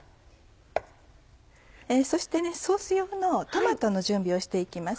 そしてソース用のトマトの準備をして行きます。